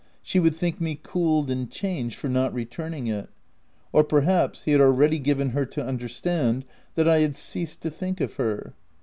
— she would think me cooled and changed for not returning it — or perhaps, he had already given her to understand that I had ceased to think of her